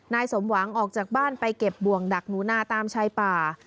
สมหวังออกจากบ้านไปเก็บบ่วงดักหนูนาตามชายป่า